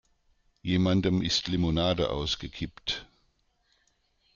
Jemandem ist Limonade ausgekippt.